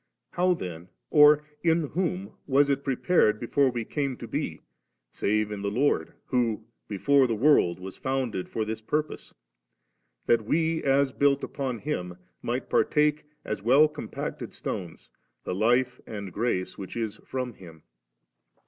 * How then, or in whom, was it prepared before we came to be, save in the Lord who * before the world • was founded for this purpose ; that we, as built upon Him, might partake, as well compacted stones, the life and grace which is from Him?